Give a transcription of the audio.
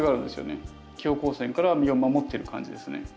強光線から身を守ってる感じですね。